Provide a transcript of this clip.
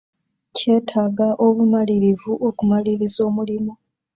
Kyetaaga obumalirivu okumaliriza omulimu.